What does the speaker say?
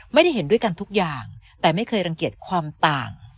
ไม่ได้เห็นด้วยกันทุกอย่างแต่ไม่เคยรังเกียจความต่าง